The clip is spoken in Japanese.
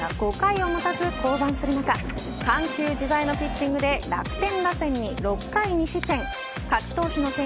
ここ５試合先発陣が５回を待たず降板する中、緩急自体のピッチングで楽天打線に６回２失点。